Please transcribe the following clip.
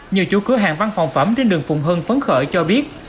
nhiều chủ cửa hàng văn phòng phẩm trên đường phùng hưng phấn khởi cho biết